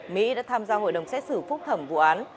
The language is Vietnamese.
mỹ đã tham gia hội đồng xét xử phúc thẩm vụ án